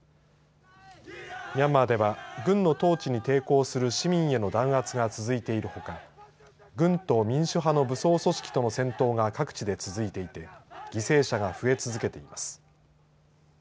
ミャンマーでは軍の統治に抵抗する市民への弾圧が続いているほか軍と民主派の武装組織との戦闘が各地で続いていて犠牲者が増え続けています。